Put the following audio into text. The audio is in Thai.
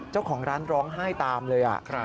เจ้าของร้านร้องไห้ตามเลย